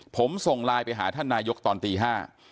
ผมส่งไลน์ไปหาท่านนายกตอนตีห้า